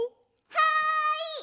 はい！